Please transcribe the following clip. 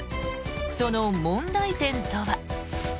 その問題点とは？